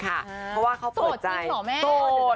เพราะว่าเขาเปิดใจโสด